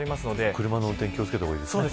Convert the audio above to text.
車の運転気を付けたほうがいいですね。